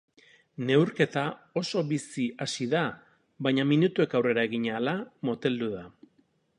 Neurketa oso bizi hasi da, baina minutuek aurrera egin ahala moteldu da.